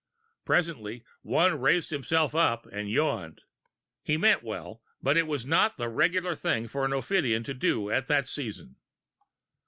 Presently one raised himself up and yawned. He meant well, but it was not the regular thing for an ophidian to do at that season.